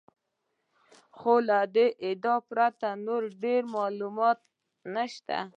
خو له دې ادعا پرته نور ډېر معلومات نشته.